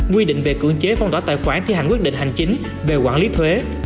quy định về cưỡng chế phong tỏa tài khoản thi hành quyết định hành chính về quản lý thuế